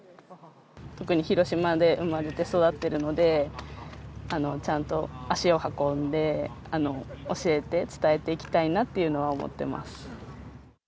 特に広島で生まれて育ってるので、ちゃんと足を運んで、教えて、伝えていきたいなっていうのは思ってます。